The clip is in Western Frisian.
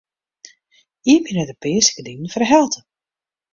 Iepenje de pearse gerdinen foar de helte.